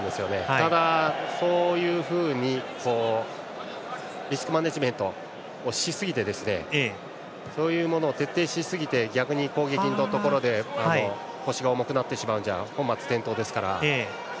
ただ、そういうふうにリスクマネージメントをしすぎてそういうものを徹底しすぎて逆に攻撃のところで腰が重くなると本末転倒ですから。